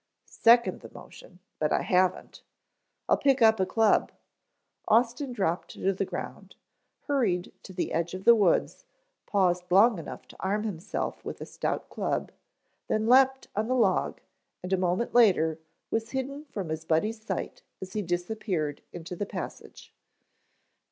"Second the motion, but I haven't. I'll pick up a club." Austin dropped to the ground, hurried to the edge of the woods, paused long enough to arm himself with a stout club, then leaped on the log and a moment later was hidden from his buddy's sight as he disappeared into the passage.